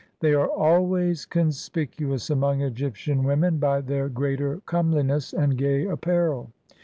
They are always conspicu ous among Egyptian women by their greater comeliness and gay apparel.